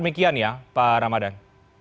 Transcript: sekian ya pak ramadhan